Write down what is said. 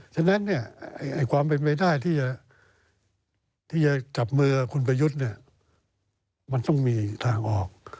ฉะนั้นความเป็นไปได้ที่จะจับมือคุณประยุทธ์มันต้องมีทางออก